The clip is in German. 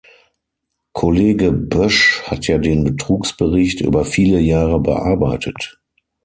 Kollege Bösch hat ja den Betrugsbericht über viele Jahre bearbeitet.